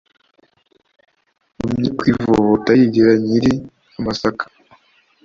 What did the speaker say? Igumye kwivovota, Yigira nyiri amasaka !